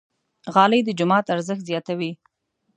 غالۍ د جومات ارزښت زیاتوي.